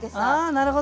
なるほど！